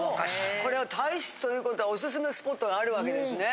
これは大使という事はおすすめスポットがあるわけですね？